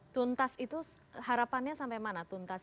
tuntas itu harapannya sampai mana tuntas